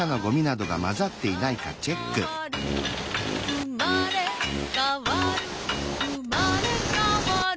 「うまれかわるうまれかわる」